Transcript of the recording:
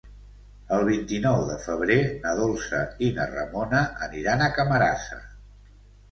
El vint-i-nou de febrer na Dolça i na Ramona aniran a Camarasa.